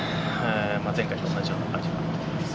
前回と同じような感じかなと思います。